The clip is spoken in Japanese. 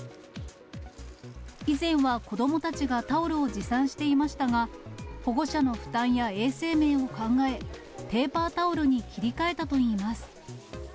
以前は子どもたちがタオルを持参していましたが、保護者の負担や衛生面を考え、ペーパータオルに切り替えたといいます。